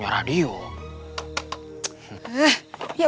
yaudah pak kemet